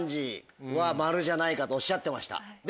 じゃないかとおっしゃってました。